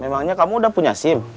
emangnya kamu udah punya sim